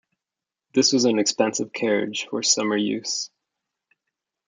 This was an expensive carriage for summer use.